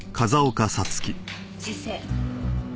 先生。